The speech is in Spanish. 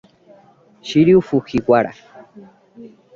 Shiryu Fujiwara